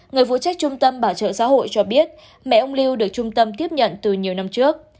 người phụ trách trung tâm bảo trợ xã hội cho biết mẹ ông lưu được trung tâm tiếp nhận từ nhiều năm trước